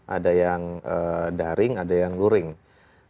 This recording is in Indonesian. ada yang daring ada yang lurik gitu ya